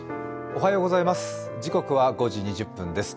おはようございます。